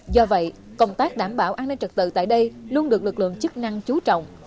do vậy công tác đảm bảo an ninh trật tự tại đây luôn được lực lượng chức năng chú trọng